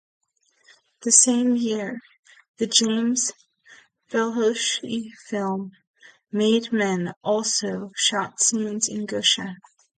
The same year, the James Belushi film "Made Men" also shot scenes in Goshen.